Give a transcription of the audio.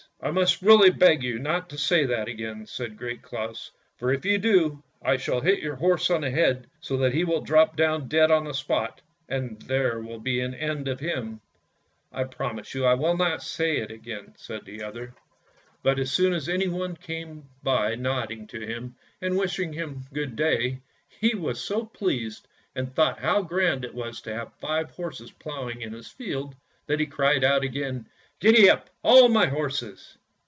" I must really beg you not to say that again," said Great Claus, " for if you do, I shall hit your horse on the head, so that he will drop down dead on the spot, and there will be an end of him." i45 * 146 ANDERSEN'S FAIRY TALES " I promise you I will not say it again," said the other; but as soon as anybody came by nodding to him, and wishing him " Good day," he was so pleased, and thought how grand it was to have five horses ploughing in his field, that he cried out again, " Gee up, all my horses!